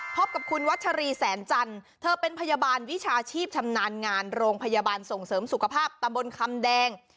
พบกับคุณวัชรีแสนจันทร์เธอเป็นพยาบาลวิชาชีพชำนาญงานโรงพยาบาลส่งเสริมสุขภาพตำบลคำแดง